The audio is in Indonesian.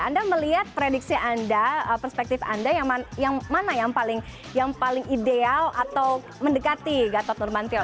anda melihat prediksi anda perspektif anda yang mana yang paling ideal atau mendekati gatot nurmantio